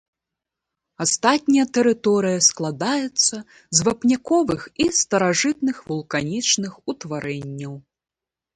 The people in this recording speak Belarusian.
Астатняя тэрыторыя складаецца з вапняковых і старажытных вулканічных утварэнняў.